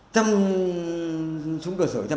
trăm súng cửa sở trăm